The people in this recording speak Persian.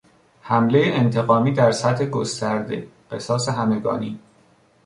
حمله انتقامی در سطح گسترده، قصاص همگانی